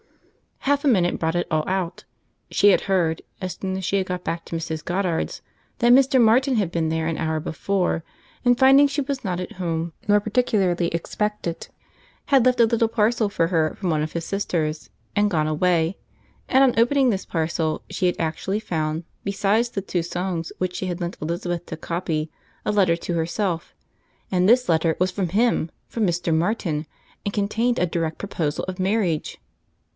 Half a minute brought it all out. She had heard, as soon as she got back to Mrs. Goddard's, that Mr. Martin had been there an hour before, and finding she was not at home, nor particularly expected, had left a little parcel for her from one of his sisters, and gone away; and on opening this parcel, she had actually found, besides the two songs which she had lent Elizabeth to copy, a letter to herself; and this letter was from him, from Mr. Martin, and contained a direct proposal of marriage.